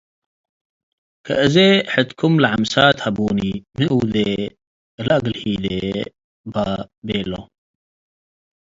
ከአዜ ሕትኩም ለዐምሳት ሀቡኒ ሚ እወዴ? እለ እግል ሂዴ”ፖ ቤሎ'።